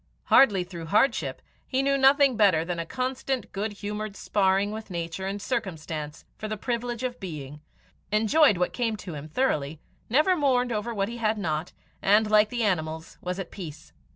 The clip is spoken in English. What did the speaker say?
Hardy through hardship, he knew nothing better than a constant good humoured sparring with nature and circumstance for the privilege of being, enjoyed what came to him thoroughly, never mourned over what he had not, and, like the animals, was at peace.